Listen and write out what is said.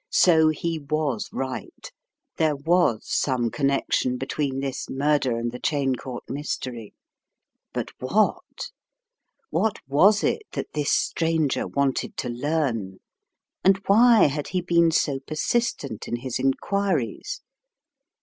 So he was right. There was some connection between this murder and the Cheyne Court mystery; but what? What was it that this stranger wanted to learn, and why had he been so persistent in his inquiries?